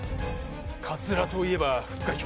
カツラといえば副会長。